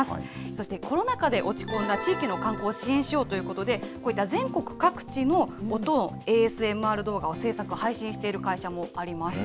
そしてコロナ禍で落ち込んだ地域の観光を支援しようということで、こういった全国各地の音のＡＳＭＲ動画を制作・配信している会社もあります。